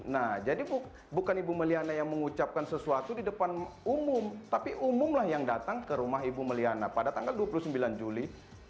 nah jadi bukan ibu may liana yang mengucapkan sesuatu di depan umum tapi umumlah yang datang ke rumah ibu may liana pada tanggal dua puluh sembilan juli dua ribu enam belas